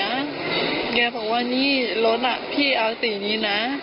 แล้วแกบอกว่านี่รถน่ะพี่เอาสีนี้